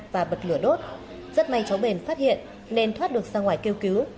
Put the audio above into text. và bật lửa đốt rất may cháu bền phát hiện nên thoát được ra ngoài kêu cứu